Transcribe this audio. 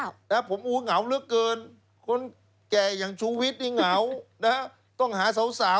อันนี้คืองานกบ